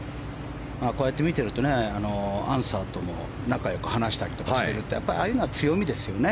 こうやって見てるとアンサーとも仲良く話したりしててああいうのは強みですよね。